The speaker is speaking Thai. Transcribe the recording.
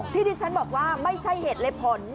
ที่ดิฉันบอกว่าไม่ใช่เหตุและผล